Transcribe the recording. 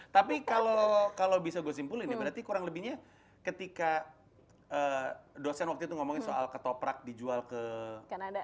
tapi kalau bisa gue simpulin ya berarti kurang lebihnya ketika dosen waktu itu ngomongin soal ketoprak dijual ke kanada